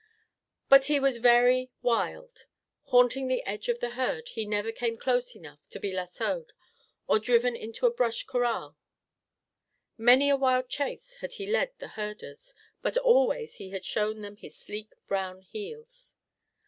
But he was very wild. Haunting the edge of the herd, he never came close enough to be lassoed or driven into a brush corral. Many a wild chase had he lead the herders, but always he had shown them his sleek brown heels.